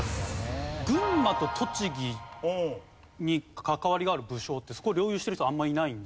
群馬と栃木に関わりがある武将ってそこを領有してる人あんまりいないので。